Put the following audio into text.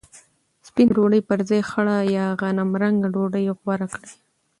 سپینه ډوډۍ پر ځای خړه یا غنمرنګه ډوډۍ غوره کړئ.